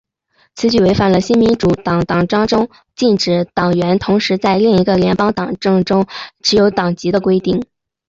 此举违反了新民主党党章中禁止党员同时在另一个联邦政党中持有党籍的规定。